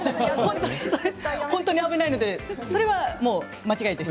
本当に危ないのでそれはもう間違いです。